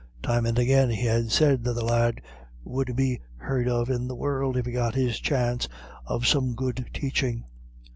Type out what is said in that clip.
Time and again he had said that the lad would be heard of in the world if he got his chance of some good teaching.